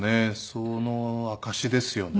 その証しですよね